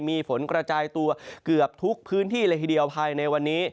มีฝนกระจายตัวเกือบทุกพื้นที่เลยทีเดียวภายในวันนี้